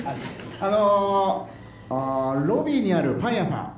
あのロビーにあるパン屋さん